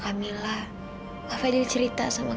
kak fadil gak sadar